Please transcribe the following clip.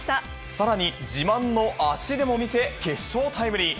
さらに、自慢の足でも見せ、決勝タイムリー。